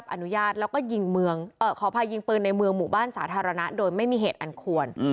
ปืนในเมืองหมู่บ้านสาธารณะโดยไม่มีเหตุอันควร